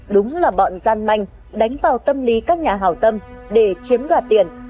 đúng là bọn gian manh đánh vào tâm lý các nhà hào tâm để chiếm đoạt tiền